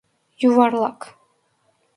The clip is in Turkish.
Yuvarlak.